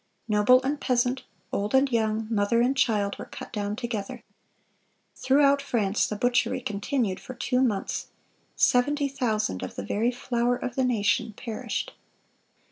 Noble and peasant, old and young, mother and child, were cut down together. Throughout France the butchery continued for two months. Seventy thousand of the very flower of the nation perished.